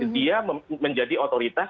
dia menjadi otoritas